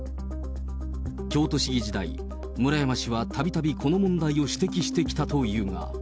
京都市議時代、村山氏はたびたびこの問題を指摘してきたというが。